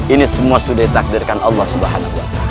ini semua sudah ditakdirkan allah swt